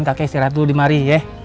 jangan lu dimari ye